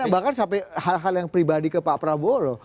bahkan sampai hal hal yang pribadi ke pak prabowo loh